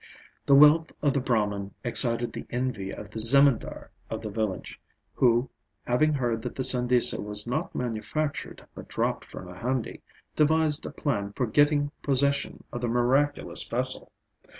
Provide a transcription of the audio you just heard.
The wealth of the Brahman excited the envy of the Zemindar of the village, who, having heard that the sandesa was not manufactured but dropped from a handi, devised a plan for getting possession of the miraculous vessel.